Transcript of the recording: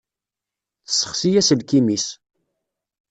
Tessexsi aselkim-is.